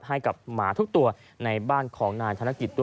ให้กับหมาทุกตัวในบ้านของนายศาลกิจด้วย